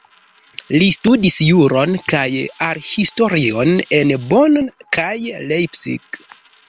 Li studis juron kaj arthistorion en Bonn kaj Leipzig.